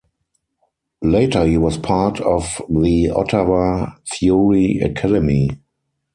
Later he was part of the Ottawa Fury Academy.